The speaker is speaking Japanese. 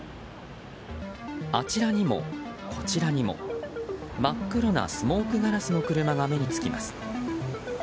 あちらにも、こちらにも真っ黒なスモークガラスの車が目につきます。